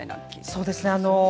そうですね